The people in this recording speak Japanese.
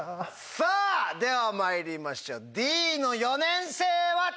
さぁではまいりましょうＤの４年生は。